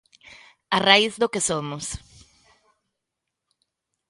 A raíz do que somos.